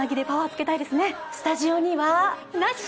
スタジオにはなし。